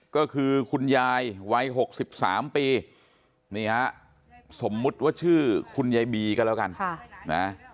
ก็คือคุณยายวัย๖๓ปีนี่ฮะสมมุติว่าชื่อคุณยายบีก็แล้วกันนะ